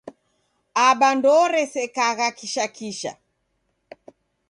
Aba ndooresekagha kisha kisha.